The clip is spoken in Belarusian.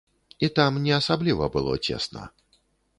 І там не асабліва было цесна.